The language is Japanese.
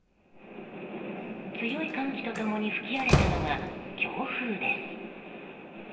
強い寒気とともに吹き荒れたのが強風です。